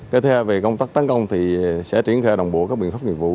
kế theo về công tác tấn công thì sẽ triển khai đồng bộ các biện pháp nghiệp vụ